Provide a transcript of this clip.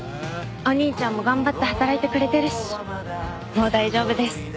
お兄ちゃんも頑張って働いてくれてるしもう大丈夫です。